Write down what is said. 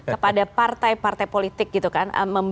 kepada partai partai politik gitu kan